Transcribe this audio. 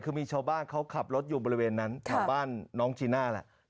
คือมีชาวบ้านเขาขับรถอยู่บริเวณนั้นแถวบ้านน้องจีน่าแหละ